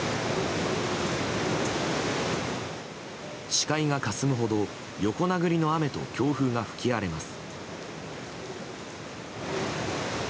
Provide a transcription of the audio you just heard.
視界がかすむほど横殴りの雨と強風が吹き荒れます。